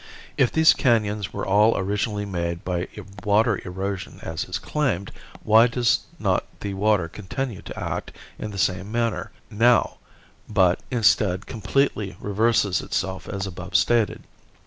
If these canons were all originally made by water erosion as is claimed, why does not the water continue to act in the same manner now but, instead, completely reverses itself as above stated?